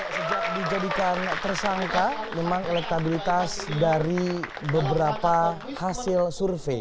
sejak dijadikan tersangka memang elektabilitas dari beberapa hasil survei